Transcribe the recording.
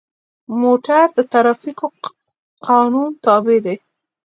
موټر د ټرافیکو قانون تابع دی.